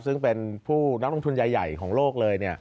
ซึ่งเป็นผู้นักลงทุนใหญ่ของโลกเลย